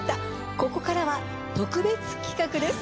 ここからは特別企画です。